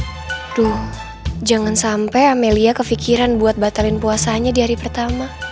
aduh jangan sampai amelia kefikiran buat batalin puasanya di hari pertama